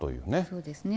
そうですね。